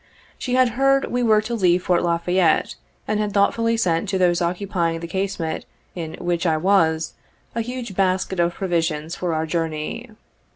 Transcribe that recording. She had heard we were to leave Fort La Fayette, and had thoughtfully sent to those occupying the casemate in which I was, a huge basket of provisions for our jour ney.